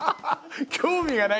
興味がないんだ！